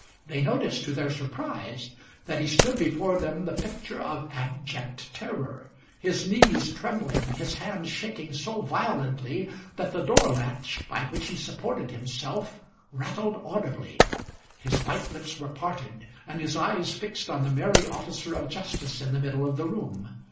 They noticed, to their surprise, that he stood before them the picture of abject terror his knees trembling, his hand shaking so violently that the door latch, by which he supported himself, rattled audibly; his white lips were parted, and his eyes fixed on the merry officer of justice in the middle of the room.